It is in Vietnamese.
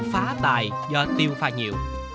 phá tài do tiêu pha nhiệu